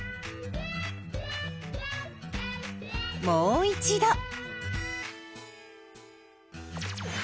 もう一度。